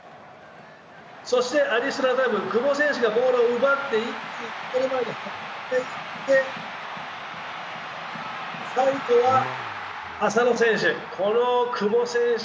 そしてアディショナルタイム、久保選手がボールを奪ってゴール前に持っていって最後は浅野選手、この久保選手